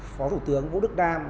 phó thủ tướng vũ đức đam